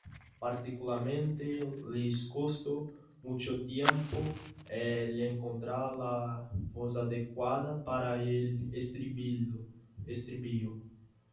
Particularmente, les costó mucho tiempo el encontrar la voz adecuada para el estribillo.